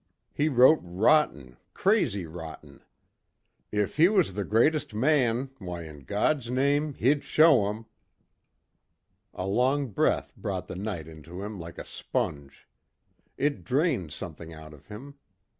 He wrote rotten, crazy rotten. If he was the greatest man why in God's name! He'd show 'em. A long breath brought the night into him like a sponge. It drained something out of him.